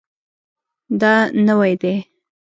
دا نوی دی